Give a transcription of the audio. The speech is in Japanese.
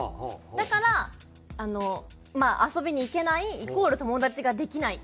だからあのまあ遊びに行けないイコール友達ができない。